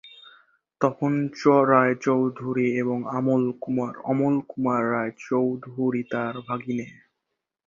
তপন রায়চৌধুরী এবং অমল কুমার রায়চৌধুরী তার ভাগিনেয়।